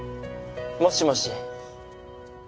もしもし